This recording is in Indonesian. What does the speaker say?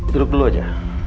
duduk dulu aja